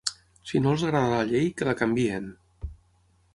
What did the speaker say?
Si no els agrada la llei, que la canviïn.